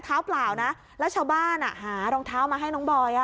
เปล่านะแล้วชาวบ้านหารองเท้ามาให้น้องบอย